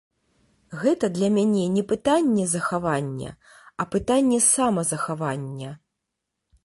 Гэта для мяне не пытанне захавання, а пытанне самазахавання.